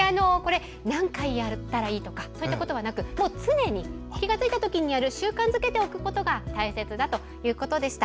何回やったらいいとかいうことはなく常に気が付いたときにやる習慣づけておくことが大切だということでした。